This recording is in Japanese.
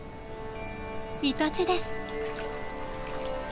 イタチです！